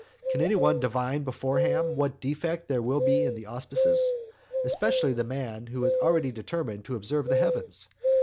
Can any one divine beforehand what defect there will be in the auspices, except the man who has already determined to observe the heavens?